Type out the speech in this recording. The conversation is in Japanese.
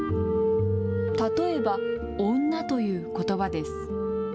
例えば女ということばです。